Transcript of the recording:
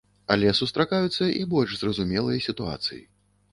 Але сустракаюцца і больш зразумелыя сітуацыі.